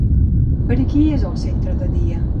Per a qui és el centre de dia?